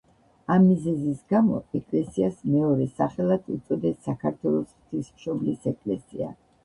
ამ მიზეზის გამო ეკლესიას მეორე სახელად უწოდეს საქართველოს ღვთისმშობლის ეკლესია.